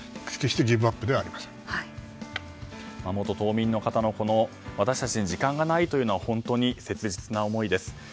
決してギブアップでは元島民の方の私たちに時間がないというのは本当に切実な思いです。